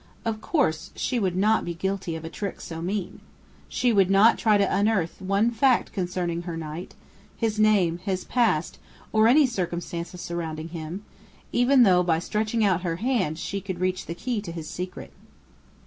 Of course she would not be guilty of a trick so mean. She would not try to unearth one fact concerning her Knight his name, his past, or any circumstances surrounding him, even though by stretching out her hand she could reach the key to his secret.